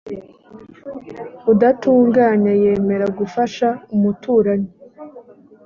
udatunganye yemera gufasha umuturanyi